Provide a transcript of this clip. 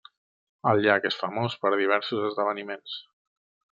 El llac és famós per diversos esdeveniments.